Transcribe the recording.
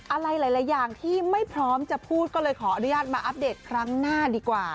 อะไรหลายอย่างที่ไม่พร้อมจะพูดก็เลยขออนุญาตมาอัปเดตครั้งหน้าดีกว่า